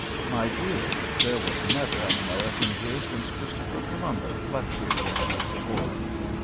My dear, there was never an American here since Christopher Columbus slept here when he was a boy.